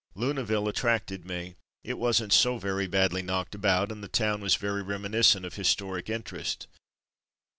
Luneville attracted me; it wasn't so very badly knocked about and the town was very reminiscent of historic interest.